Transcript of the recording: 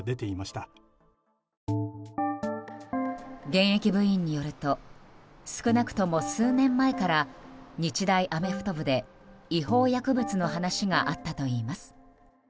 現役部員によると少なくとも数年前から日大アメフト部で違法薬物の話があったといいます。